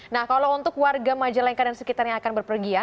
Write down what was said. nah kalau untuk warga majalengka dan sekitarnya akan berpergian